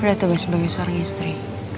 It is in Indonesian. udah tugas sebagai seorang istri